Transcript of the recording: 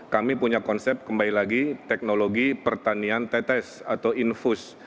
kami punya konsep kembali lagi teknologi pertanian tetes atau infus